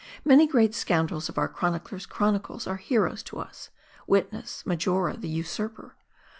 Many great scound rels of our Chronicler's chronicles are heroes to us : wit ness, Marjora the usurper.